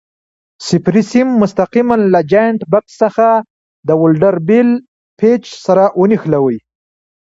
صفري سیم مستقیماً له جاینټ بکس څخه د ولډر بل پېچ سره ونښلوئ.